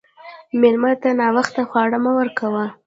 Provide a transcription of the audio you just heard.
مېلمه ته ناوخته خواړه مه ورکوه.